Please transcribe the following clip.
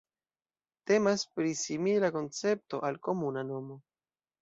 Temas pri simila koncepto al komuna nomo.